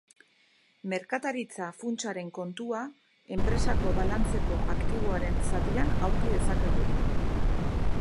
Merkataritza-funtsaren kontua, enpresako balantzeko aktiboaren zatian aurki dezakegu.